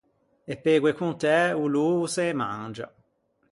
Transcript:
E pegoe contæ o lô o se ê mangia.